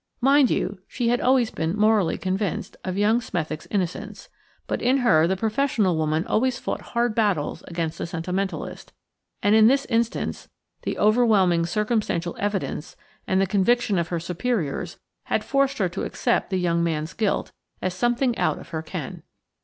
Mind you, she had always been morally convinced of young Smethick's innocence, but in her the professional woman always fought hard battles against the sentimentalist, and in this instance the overwhelming circumstantial evidence and the conviction of her superiors had forced her to accept the young man's guilt as something out of her ken.